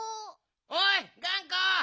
おいがんこ！